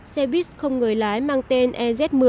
xe buýt không người lái mang tên ez một mươi